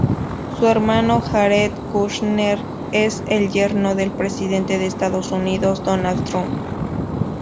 Su hermano Jared Kushner es el yerno del presidente de Estados Unidos, Donald Trump.